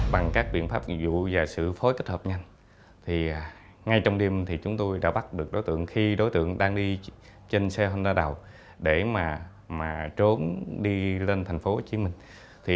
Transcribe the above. bằng các biện pháp nhiệm vụ và sự phối kết hợp nhanh ngay trong đêm thì chúng tôi đã bắt được đối tượng khi đối tượng đang đi trên xe honda đầu để trốn đi lên thành phố hồ chí minh